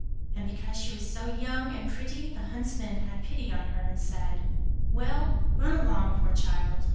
And because she was so young and pretty the Huntsman had pity on her, and said: 'Well, run along, poor child.